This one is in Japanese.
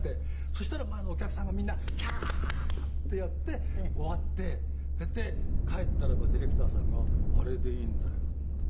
そしたら前のお客さんがみんなキャーッてやって終わってそれで帰ったらばディレクターさんが「あれでいいんだよ」って。